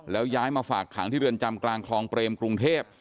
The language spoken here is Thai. แล้วย้ายมาฝากขังที่เรือนจำกลางคลองเปรมกรุงเทพ